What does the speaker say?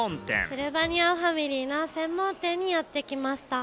シルバニアファミリーの専門店にやってきました。